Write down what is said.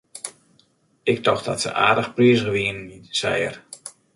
Ik tocht dat se aardich prizich wienen, sei er.